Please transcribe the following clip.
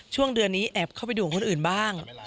ช่วงเดือนนี้แอบเข้าไปดูของคนอื่นบ้าง